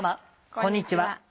こんにちは。